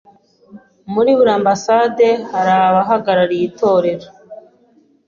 Muri buri Ambasade harabahagarariye itorero